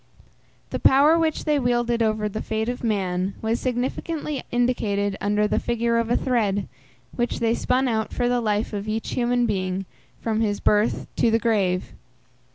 The power which they wielded over the fate of man was significantly indicated under the figure of a thread, which they spun out for the life of each human being from his birth to the grave.